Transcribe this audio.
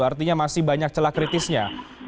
artinya masih banyak celah kritisnya